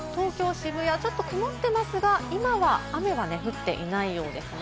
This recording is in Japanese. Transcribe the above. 渋谷ちょっと曇ってますが、今は雨は降っていないようですね。